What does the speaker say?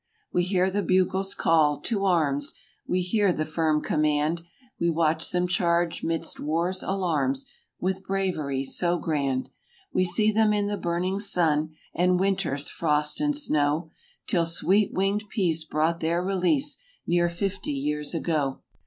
We hear the bugle's call "To arms!" We hear the firm command; We watch them charge 'midst war's alarms With bravery so grand; We see them in the burning sun And winter's frost and snow, 'Till sweet winged peace brought their release. Near fifty years ago.